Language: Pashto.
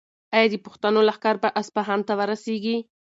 ایا د پښتنو لښکر به اصفهان ته ورسیږي؟